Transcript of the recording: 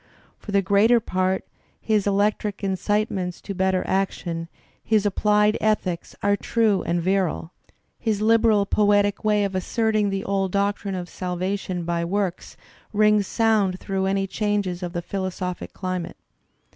For the greater part, his electric incite I ments to better action, his applied ethics are true and virile; 1 his liberal poetic way of asserting the old doctrine of salvation by works rings sound through any changes of the philosophic climate.